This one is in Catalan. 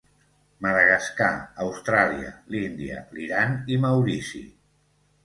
Madagascar, Austràlia, l'Índia, l'Iran i Maurici.